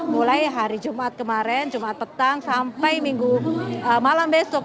mulai hari jumat kemarin jumat petang sampai minggu malam besok